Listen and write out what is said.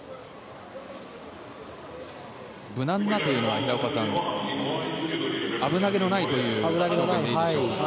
無難なというのは平岡さん危なげのないということですか？